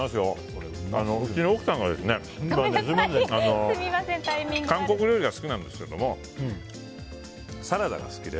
うちの奥さんが韓国料理が好きなんですけどもサラダが好きで。